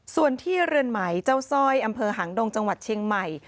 ส่วนที่เรือนไหมเจ้าสร้อยอำเภอหางดงจังหวัดเชียงใหม่